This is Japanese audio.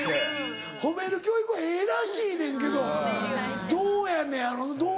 褒める教育はええらしいねんけどどうやのやろな？